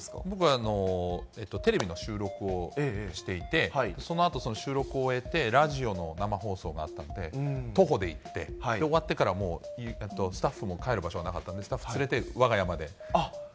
僕はテレビの収録をしていて、そのあと、その収録を終えて、ラジオの生放送があったので、徒歩で行って、終わってから、もうスタッフも帰る場所がなかったので、スタッフを連れて、わが家まで。